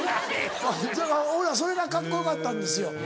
俺らそれがカッコよかったんですよ。